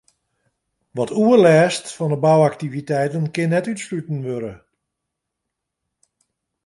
Wat oerlêst fan 'e bouaktiviteiten kin net útsletten wurde.